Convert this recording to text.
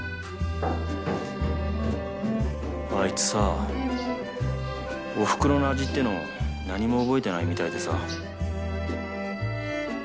あいつさおふくろの味ってのを何も覚えてないみたいでさ。